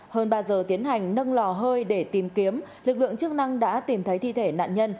hơn ba giờ tiến hành nâng lò hơi để tìm kiếm lực lượng chức năng đã tìm thấy thi thể nạn nhân